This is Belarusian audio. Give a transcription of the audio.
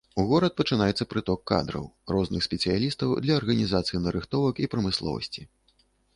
У горад пачынаецца прыток кадраў, розных спецыялістаў для арганізацыі нарыхтовак і прамысловасці.